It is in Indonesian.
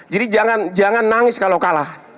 jadi jangan jangan nangis kalau kalah